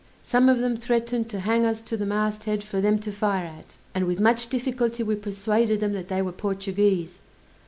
Some of them threatened to hang us to the mast head for them to fire at; and with much difficulty we persuaded them that they were Portuguese.